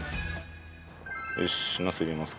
よしナス入れますか。